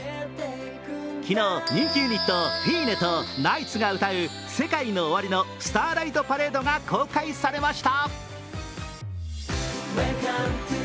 昨日、人気ユニット・ｆｉｎｅとＫｎｉｇｈｔｓが歌うＳＥＫＡＩＮＯＯＷＡＲＩの「スターライトパレード」が公開されました。